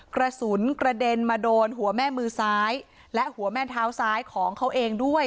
กระสุนกระเด็นมาโดนหัวแม่มือซ้ายและหัวแม่เท้าซ้ายของเขาเองด้วย